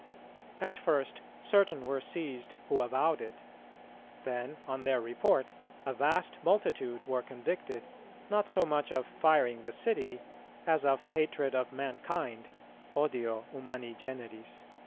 At first, certain were seized who avowed it; then, on their report, a vast multitude were convicted, not so much of firing the City, as of hatred of mankind (odio humani generis)."